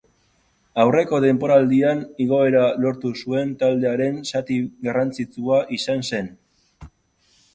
Aurreko denboraldian igoera lortu zuen taldearen zati garrantzitsua izan zen.